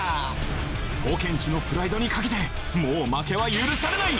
ポケんちのプライドにかけてもう負けは許されない！